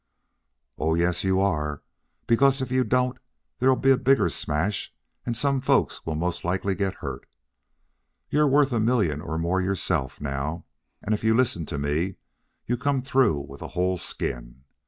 "Oh, yes, you are; because if you don't there'll be a bigger smash and some folks will most likely get hurt. You're worth a million or more yourself, now, and if you listen to me you come through with a whole skin.